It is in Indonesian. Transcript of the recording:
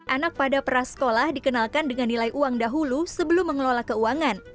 anak pada prasekolah dikenalkan dengan nilai uang dahulu sebelum mengelola keuangan